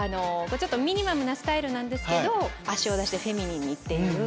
ミニマムなスタイルなんですけど脚を出してフェミニンっていう。